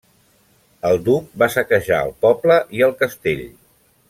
El duc va saquejar el poble i el castell.